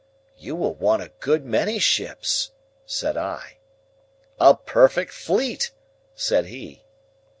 "You will want a good many ships," said I. "A perfect fleet," said he.